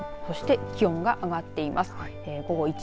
はい、そして気温が上がっています。